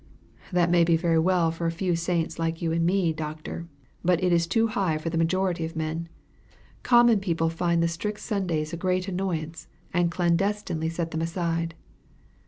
"That may be very well for a few saints like you and me, Doctor, but it is too high for the majority of men. Common people find the strict Sundays a great annoyance, and clandestinely set them aside."